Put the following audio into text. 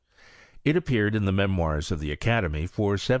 It appeared in the Memoirsof the Academy, for 1777.